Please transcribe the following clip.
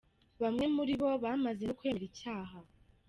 Bamwe muri bo bamaze no kwemera icyaha.